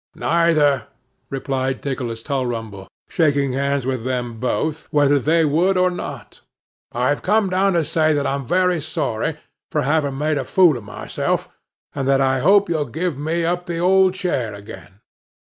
'Neither,' replied Nicholas Tulrumble, shaking hands with them both, whether they would or not. 'I've come down to say that I'm very sorry for having made a fool of myself, and that I hope you'll give me up the old chair, again.